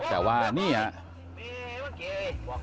แต่ว่านี่ครับ